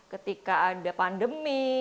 ketika ada pandemi